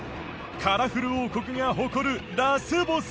カラフル王国が誇るラスボス！